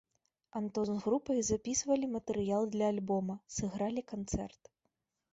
Антон з групай запісвалі матэрыял для альбома, сыгралі канцэрт.